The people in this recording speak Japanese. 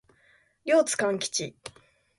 両津勘吉